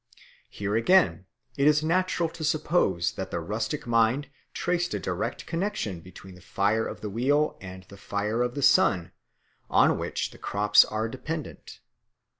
Here, again, it is natural to suppose that the rustic mind traced a direct connexion between the fire of the wheel and the fire of the sun, on which the crops are dependent.